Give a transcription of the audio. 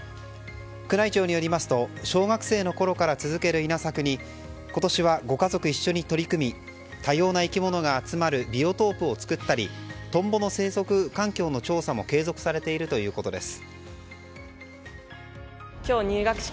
宮内庁によりますと小学生のころから続けられる稲作に今年は、ご家族一緒に取り組み多様な生き物が集まるビオトープを作ったりトンボの生息環境の調査も継続されているということです。